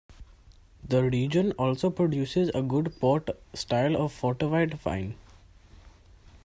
The region also produces a good Port style of fortified wine.